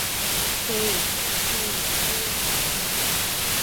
হেই, hey hey কি?